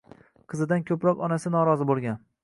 Qizidan ko‘proq onasi norozi bo‘lgan.